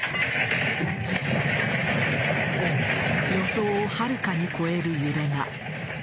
予想をはるかに超える揺れが。